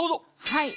はい。